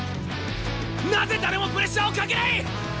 なぜ誰もプレッシャーをかけない！？